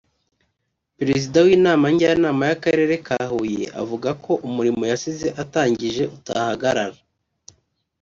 perezida w’inama njyanama y’Akarere ka Huye avuga ko umurimo yasize atangije utahagarara